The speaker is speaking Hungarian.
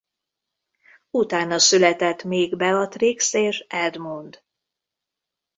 Utána született még Beatrix és Edmund.